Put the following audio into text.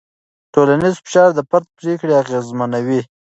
ټولنیز فشار د فرد پرېکړې اغېزمنوي.